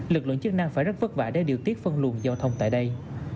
lực lượng chức năng phải rất vất vả để điều tiết phân luồng giao thông tại đây